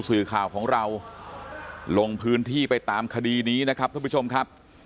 สื่อข่าวของเราลงพื้นที่ไปตามคดีนี้นะครับท่านผู้ชมครับ